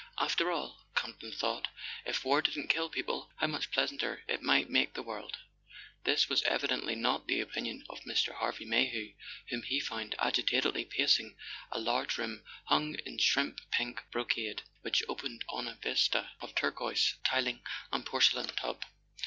"After all," Campton thought, "if war didn't kill people how much pleasanter it might make the world !" This was evidently not the opinion of Mr. Harvey Mayhew, whom he found agitatedly pacing a large room hung in shrimp pink brocade, which opened on a vista of turquoise tiling and porcelain tub.